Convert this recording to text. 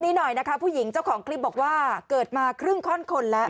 นี้หน่อยนะคะผู้หญิงเจ้าของคลิปบอกว่าเกิดมาครึ่งข้อนคนแล้ว